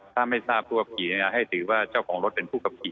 ถ้าไม่ทราบตัวขี่ยังไงให้ถือว่าเจ้าของรถเป็นผู้ขับขี่